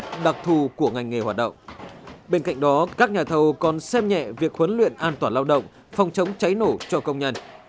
trong đó các nhà thầu còn xem nhẹ việc huấn luyện an toàn lao động phòng chống cháy nổ cho công nhân